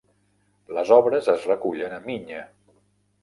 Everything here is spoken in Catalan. Les obres es recullen en Migne.